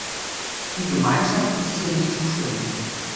Die Gemeinschaft ist hier nicht zuständig.